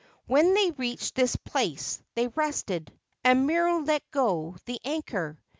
When they reached this place they rested, and Miru let go the anchor.